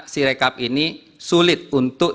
si rekap ini sulit untuk